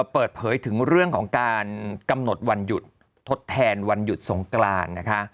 เปิดเผยถึงเรื่องของการกำหนดวันหยุดทดแทนวันหยุดสงกรานนะคะ